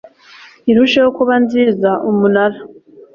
irusheho kuba nziza umunara